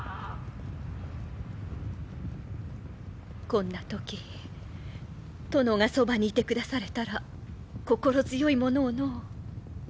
こんな時殿がそばにいてくだされたら心強いものをのう。